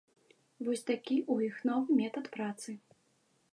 Вось такі ў іх новы метад працы.